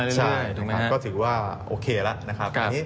ใช่ก็ถือว่าโอเคแล้วนะครับ